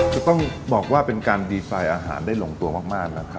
จะต้องบอกว่าเป็นการดีไซน์อาหารได้หลงตัวมากนะครับ